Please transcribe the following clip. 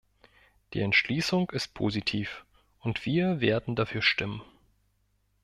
Die Entschließung ist positiv, und wir werden dafür stimmen.